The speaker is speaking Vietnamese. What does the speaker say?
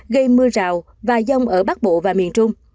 gây mưa rào và giông ở bắc bộ và miền trung